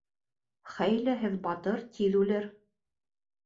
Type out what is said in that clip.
Хәйләһеҙ батыр тиҙ үлер.